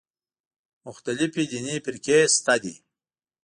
مختلفې دیني فرقې شته دي.